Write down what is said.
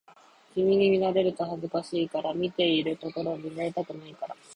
君に見られると恥ずかしいから、見ているところを見られたくないから